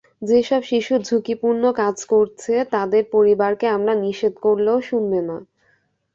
যেসব শিশু ঝুঁকিপূর্ণ কাজ করছে, তাদের পরিবারকে আমরা নিষেধ করলেও শুনবে না।